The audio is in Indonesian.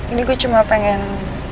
ini gue cuma pengen